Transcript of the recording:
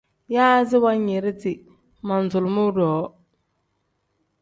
Yaazi wanyiridi manzulumuu-ro.